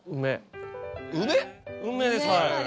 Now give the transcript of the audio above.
梅⁉梅です。